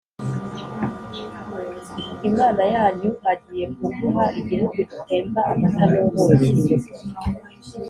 Imana yanyu agiye kuguha igihugu gitemba amata n ubuki